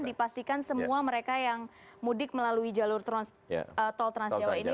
dan dipastikan semua mereka yang mudik melalui jalur tol trans jawa ini